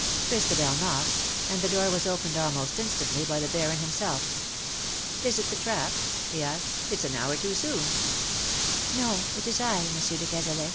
Christabel knocked, and the door was opened almost instantly by the Baron himself. " Is it the trap ?" he asked. " It's an hour too soon." " No, it is I, Monsieur de Cazalet.